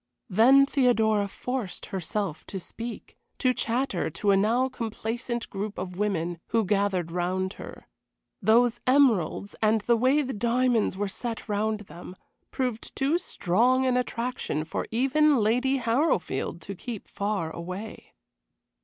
Then Theodora forced herself to speak to chatter to a now complacent group of women who gathered round her. Those emeralds, and the way the diamonds were set round them, proved too strong an attraction for even Lady Harrowfield to keep far away.